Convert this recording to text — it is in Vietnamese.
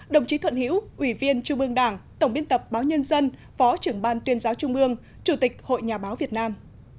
đồng chí thuận hiễu ủy viên trung ương đảng tổng biên tập báo nhân dân phó trưởng ban tuyên giáo trung ương chủ tịch hội nhà báo việt nam